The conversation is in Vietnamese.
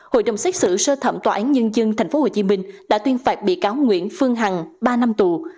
hội đồng xét xử sơ thẩm tòa án nhân dân tp hcm đã tuyên phạt bị cáo nguyễn phương hằng ba năm tù